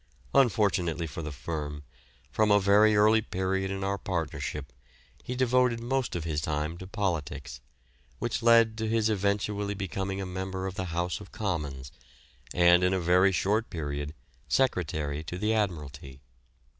Unfortunately for the firm, from a very early period in our partnership he devoted most of his time to politics, which led to his eventually becoming a member of the House of Commons, and in a very short period Secretary to the Admiralty.